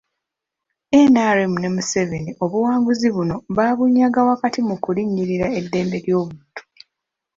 NRM ne Museveni obuwanguzi buno baabunyaga wakati mu kulinnyirira eddembe ly'obuntu.